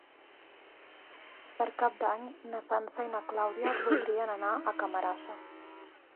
Per Cap d'Any na Sança i na Clàudia voldrien anar a Camarasa.